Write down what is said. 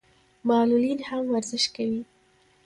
معلولین هم ورزش کوي.